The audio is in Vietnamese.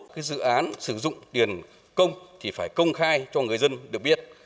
cái dự án sử dụng tiền công thì phải công khai cho người dân được biết